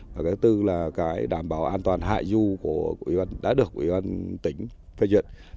và thứ tư là đảm bảo an toàn hại du đã được ủy ban tỉnh phê duyệt